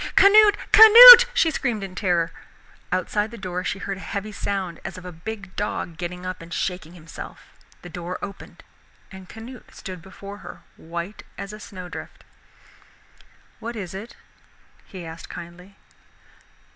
"Canute, Canute!" she screamed in terror. Outside the door she heard a heavy sound as of a big dog getting up and shaking himself. The door opened and Canute stood before her, white as a snow drift. "What is it?" he asked kindly.